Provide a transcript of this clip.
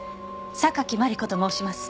榊マリコと申します。